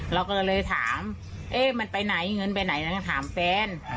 เราก็เลยถามเอ๊ะมันไปไหนเงินไปไหนนั้นถามแฟน